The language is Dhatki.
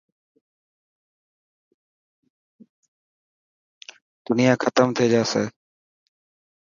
دنيا ختم ٿي جاسي.